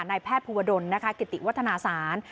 ในแพคภูมิวดลกิติวัฒนาสาร